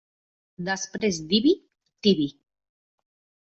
Després d'Ibi, Tibi.